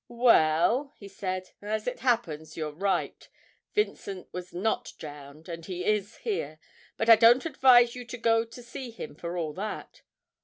'Well,' he said, 'as it happens, you're right. Vincent was not drowned, and he is here but I don't advise you to go to see him for all that.'